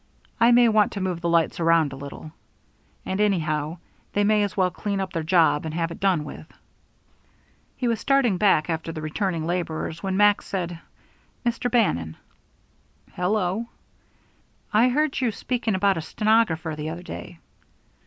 I may want to move the lights around a little. And, anyhow, they may as well clean up their job and have it done with." He was starting back after the returning laborers when Max said: "Mr. Bannon." "Hello?" "I heard you speaking about a stenographer the other day."